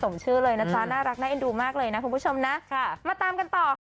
เมื่อวานหนูหลับครับ